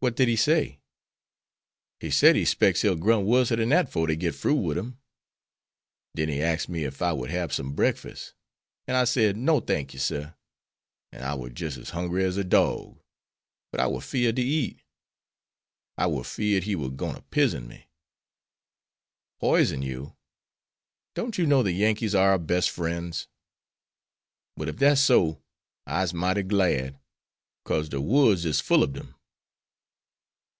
"What did he say?" "He said he specs he'll grunt worser dan dat fore dey get froo wid him. Den he axed me ef I would hab some breakfas,' an' I said, 'No, t'ank you, sir.' 'An' I war jis' as hungry as a dorg, but I war 'feared to eat. I war 'feared he war gwine to pizen me." "Poison you! don't you know the Yankees are our best friends?" "Well, ef dat's so, I'se mighty glad, cause de woods is full ob dem."